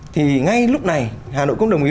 thì ngay lúc này hà nội cũng đồng ý